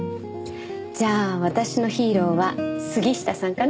じゃあ私のヒーローは杉下さんかな。